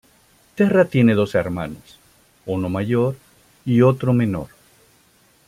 Terra tiene dos hermanos, uno mayor y otro menor.